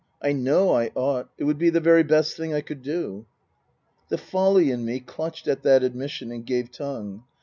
"I know I ought. It would be the very best thing I could do." The folly in me clutched at that admission and gave tongue.